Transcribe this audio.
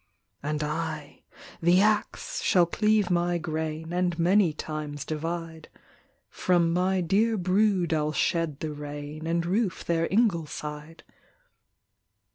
"And I the ax shall cleave my grain, And many times divide; From my dear brood I'll shed the rain, And roof their ingleside."